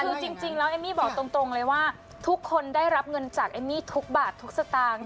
คือจริงแล้วเอมมี่บอกตรงเลยว่าทุกคนได้รับเงินจากเอมมี่ทุกบาททุกสตางค์